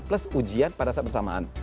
plus ujian pada saat bersamaan